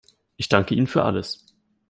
Ich danke Ihnen für alles.